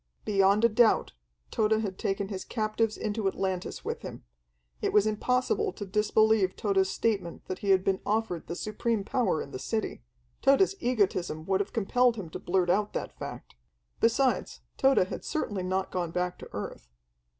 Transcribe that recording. Beyond a doubt Tode had taken his captives into Atlantis with him. It was impossible to disbelieve Tode's statement that he had been offered the supreme power in the city. Tode's egotism would have compelled him to blurt out that fact. Besides, Tode had certainly not gone back to earth.